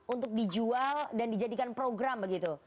untuk dijual dan dijadikan program begitu